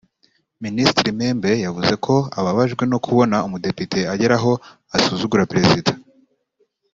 Minisitiri Membe yavuze ko ababajwe no kubona umudepite agera aho asuzugura perezida